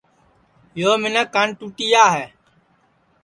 یو منکھ کانٹُٹیا ہے